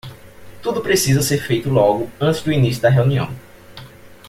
Tudo precisa ser feito logo antes do início da reunião.